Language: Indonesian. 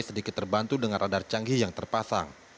sedikit terbantu dengan radar canggih yang terpasang